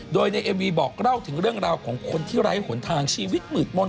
โดยในเอวีบอกเล่าถึงเรื่องราวของคนที่ไร้หนทางชีวิตมืดมนต์